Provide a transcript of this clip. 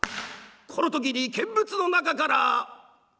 この時に見物の中から。